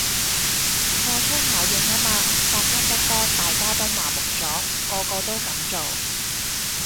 破窗效應吖嘛，發生得多大家都麻木咗，個個都噉做